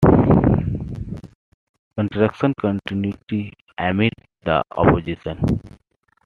Construction continued amid the opposition.